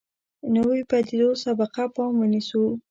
نویو پدیدو سابقه پام ونیسو.